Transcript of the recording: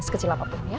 sekecil apapun ya